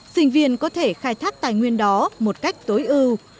sinh viên có thể khai thác tài nguyên đó một cách tối ưu